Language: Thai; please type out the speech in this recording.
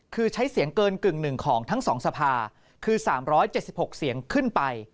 คือใช้เสียงเกินกึ่งหนึ่งของทั้ง๒สภาคือ๓๗๖เสียงขึ้นไป